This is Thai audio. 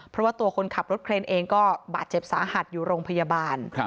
เพราะว่าตัวคนขับรถเครนเองก็บาดเจ็บสาหัสอยู่โรงพยาบาล